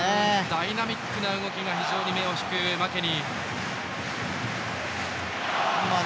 ダイナミックな動きが非常に目を引くマケニー。